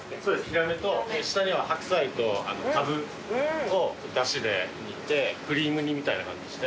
ヒラメと下にはハクサイとカブをだしで煮てクリーム煮みたいな感じにして。